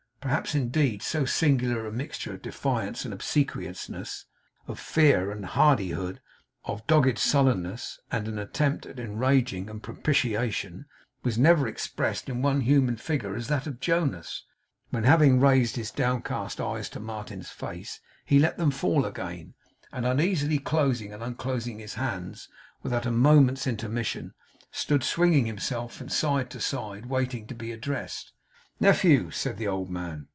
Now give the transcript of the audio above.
Perhaps, indeed, so singular a mixture of defiance and obsequiousness, of fear and hardihood, of dogged sullenness and an attempt at enraging and propitiation, never was expressed in any one human figure as in that of Jonas, when, having raised his downcast eyes to Martin's face, he let them fall again, and uneasily closing and unclosing his hands without a moment's intermission, stood swinging himself from side to side, waiting to be addressed. 'Nephew,' said the old man.